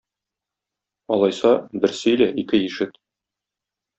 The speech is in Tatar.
Алайса, бер сөйлә, ике ишет!